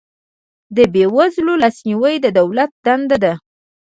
د بې وزلو لاسنیوی د دولت دنده ده